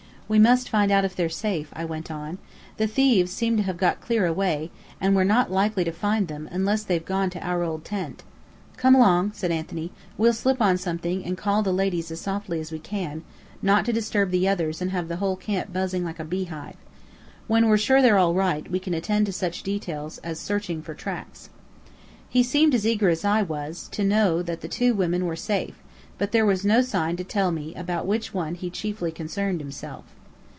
"We must find out if they're safe," I went on. "The thieves seem to have got clear away and we're not likely to find them, unless they've gone to our old tent " "Come along," said Anthony. "We'll slip on something, and call the ladies as softly as we can, not to disturb the others and have the whole camp buzzing like a beehive. When we're sure they're all right, we can attend to such details as searching for tracks." He seemed as eager as I was, to know that the two women were safe; but there was no sign to tell me about which one he chiefly concerned himself.